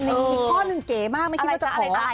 อีกข้อนึงเก๋มากไม่คิดว่าจะขอ